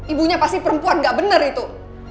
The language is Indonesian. ibunya pasti perempuan gak benar itu